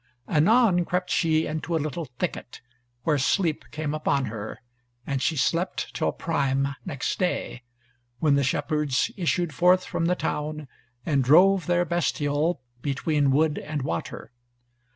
Anon crept she into a little thicket, where sleep came upon her, and she slept till prime next day, when the shepherds issued forth from the town and drove their bestial between wood and water.